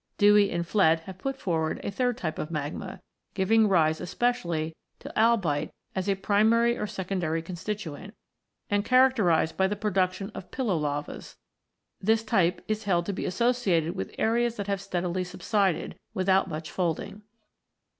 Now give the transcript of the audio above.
Dewey and Flett(86) have put forward a third type of magma, giving rise especially to v] IGNEOUS ROCKS 131 albite as a primary or secondary constituent, and characterised by the production of pillow lavas. This type is held to be associated with areas that have steadily subsided, without much folding.